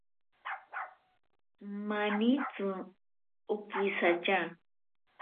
Manitsi okisatya.